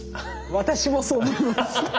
私もそう思います。